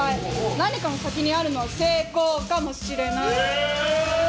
何かの先にあるのは成功かもしれない。